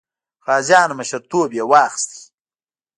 غازیانو مشرتوب یې واخیست.